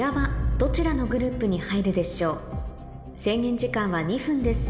制限時間は２分です